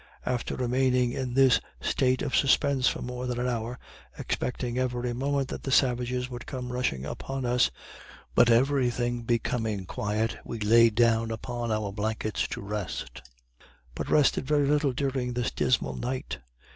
After remaining in this state of suspense for more than an hour, expecting every moment that the savages would come rushing upon us; but every thing becoming quiet, we laid down upon our blankets to rest: but rested very little during this dismal night.